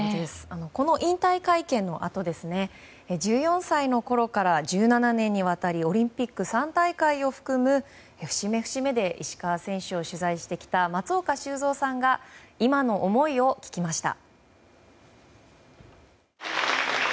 この引退会見のあと１４歳のころから１７年にわたりオリンピック３大会を含む節目節目で石川選手を取材してきた松岡修造さんが今の思いを聞きました。